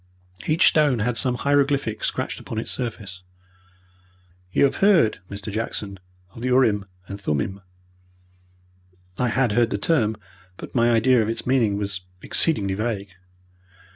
Each stone had some hieroglyphic scratched upon its surface. "You have heard, Mr. Jackson, of the urim and thummim?" I had heard the term, but my idea of its meaning was exceedingly vague.